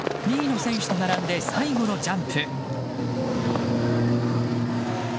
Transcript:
２位の選手と並んで最後のジャンプ。